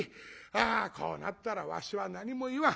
あこうなったらわしは何も言わん。